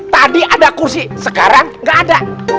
tadi ada kursi sekarang nggak ada